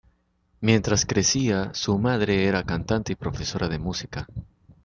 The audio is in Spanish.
Mientras crecía, su madre era cantante y profesora de música.